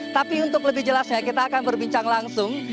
tapi untuk lebih jelasnya kita akan berbincang langsung